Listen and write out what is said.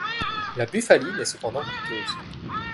La bufaline est cependant coûteuse.